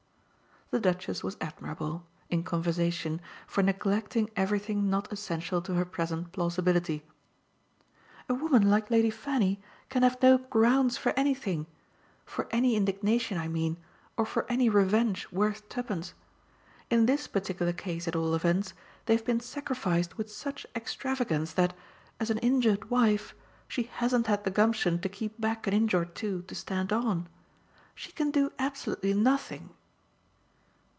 The Duchess was admirable, in conversation, for neglecting everything not essential to her present plausibility. "A woman like Lady Fanny can have no 'grounds' for anything for any indignation, I mean, or for any revenge worth twopence. In this particular case at all events they've been sacrificed with such extravagance that, as an injured wife, she hasn't had the gumption to keep back an inch or two to stand on. She can do absolutely nothing."